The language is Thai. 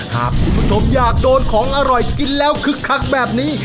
หากคุณผู้ชมอยากโดนของอร่อยกินแล้วคึกคักแบบนี้